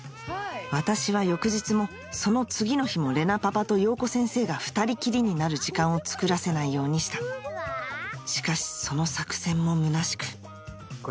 私は翌日もその次の日も玲奈パパと洋子先生が２人きりになる時間をつくらせないようにしたしかしその作戦もむなしくこれ。